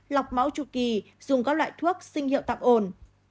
lọc máu tru kỳ dùng các loại thuốc sinh hiệu tạm ổn